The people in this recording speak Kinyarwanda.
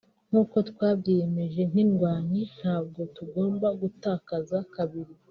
nk’uko twabyiyemeje nk’indwanyi ntabwo tugomba gutakaza kabiri